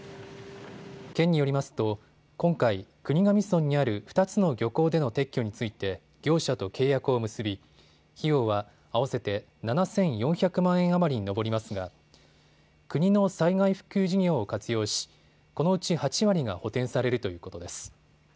県によりますと今回、国頭村にある２つの漁港での撤去について業者と契約を結び費用は合わせて７４００万円余りに上りますが国の災害復旧事業を活用しこのうち８割が補填されるということです。